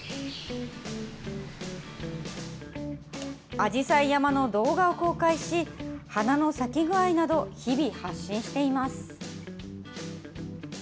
あじさい山の動画を公開し、花の咲き具合など、日々発信しています。